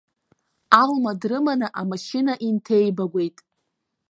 Алма дрыманы амашьына инҭеибагәеит.